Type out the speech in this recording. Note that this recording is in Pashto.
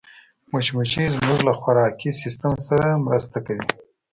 مچمچۍ زموږ له خوراکي سیسټم سره مرسته کوي